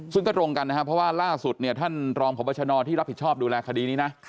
ซึ่งก็ตรงกันนะครับเพราะว่าล่าสุดเนี่ยท่านรองพบชนที่รับผิดชอบดูแลคดีนี้นะ